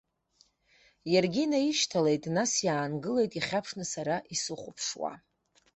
Иаргьы неишьҭалеит, нас иаангылеит ихьаԥшны сара исыхәаԥшуа.